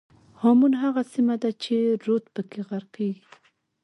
هامون هغه سیمه ده چې رود پکې غرقېږي.